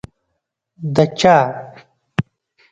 د چا؟